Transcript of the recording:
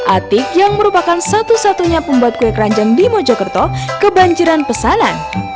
atik yang merupakan satu satunya pembuat kue keranjang di mojokerto kebanjiran pesanan